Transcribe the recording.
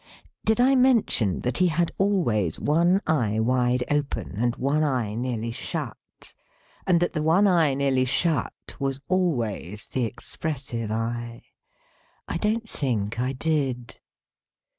Did I mention that he had always one eye wide open, and one eye nearly shut; and that the one eye nearly shut, was always the expressive eye? I don't think I did.